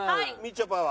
ちょぱは。